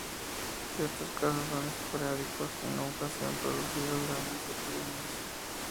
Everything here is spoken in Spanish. Estos casos son esporádicos y nunca se han producido grandes epidemias.